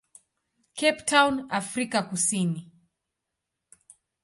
Cape Town, Afrika Kusini.